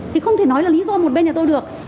thì không thể nói là lý do một bên nhà tôi được